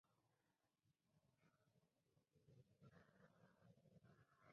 Se encuentran en Asia: cuenca del río Mekong en Laos.